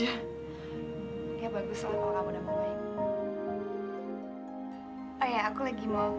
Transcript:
ya bagus lah kalau kamu udah mau baik